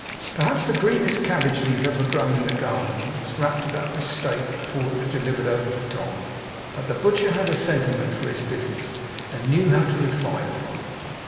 Perhaps the greenest cabbage leaf ever grown in a garden was wrapped about this steak, before it was delivered over to Tom. But the butcher had a sentiment for his business, and knew how to refine upon it.